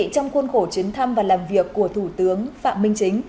trong khuôn khổ chuyến thăm và làm việc của thủ tướng phạm minh chính